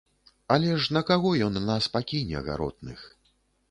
Але ж на каго ён нас пакіне, гаротных?